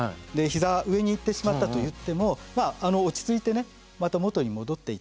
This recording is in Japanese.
ひざ上にいってしまったといってもまあ落ち着いてねまた元に戻っていただいて。